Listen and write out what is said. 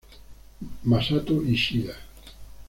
Masato Ishida